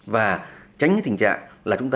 và tránh cái tình trạng là chúng ta